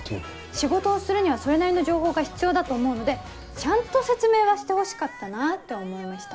仕事をするにはそれなりの情報が必要だと思うのでちゃんと説明はしてほしかったなって思いました。